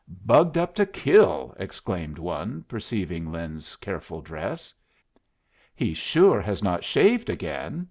"Bugged up to kill!" exclaimed one, perceiving Lin's careful dress. "He sure has not shaved again?"